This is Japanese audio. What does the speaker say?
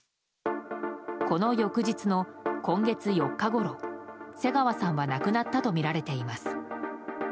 この翌日の今月４日ごろ瀬川さんは亡くなったとみられています。